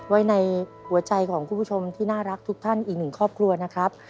ไว้ในหัวใจของคุณผู้ชมที่น่ารักทุกท่านอีกหนึ่งครอบครัวนะครับ